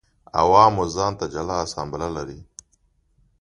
عوامو ځان ته جلا اسامبله لرله.